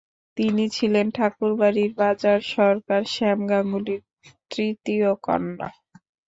তিনি ছিলেন ঠাকুরবাড়ির বাজার সরকার শ্যাম গাঙ্গুলির তৃতীয় কন্যা।